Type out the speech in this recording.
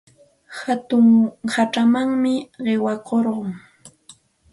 Hatun hachamanmi qiqakurqun.